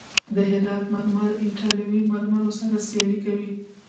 د هرات مرمر ایټالوي مرمرو سره سیالي کوي.